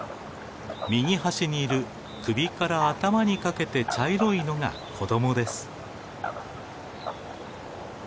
右端にいる首から頭にかけて茶色いのが子供です。